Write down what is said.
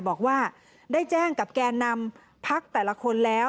บอกว่าได้แจ้งกับแก่นำพักแต่ละคนแล้ว